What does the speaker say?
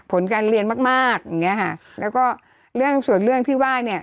ผลการเรียนมากมากอย่างเงี้ยค่ะแล้วก็เรื่องส่วนเรื่องที่ว่าเนี่ย